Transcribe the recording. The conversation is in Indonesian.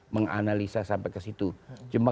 menganalisa sampai ke situ cuma